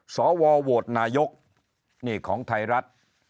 สวโหวตนายกนี่ของไทยรัฐ